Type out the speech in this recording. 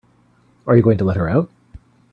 Are you going to let her out?